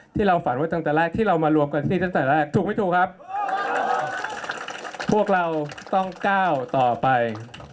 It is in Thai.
ที่เราฝันไว้ตั้งแต่แรกที่เรามารวมกันที่ตั้งแต่แรกถูกไม่ถูกครับพวกเราต้องก้าวต่อไป